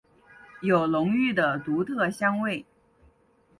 有浓郁的独特香味。